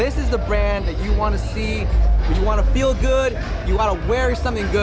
ini adalah brand yang kalian ingin lihat kalian ingin merasa baik kalian ingin memakai sesuatu yang bagus